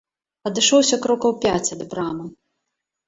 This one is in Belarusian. Адышоўся крокаў пяць ад брамы.